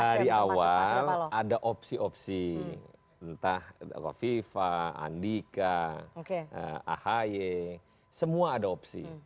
dari awal ada opsi opsi entah kofifa andika ahy semua ada opsi